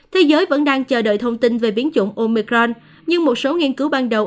thế giới vẫn đang chờ đợi thông tin về biến chủng omecron nhưng một số nghiên cứu ban đầu